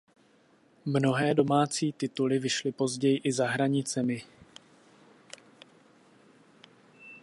Mnohé domácí tituly vyšly později i za hranicemi.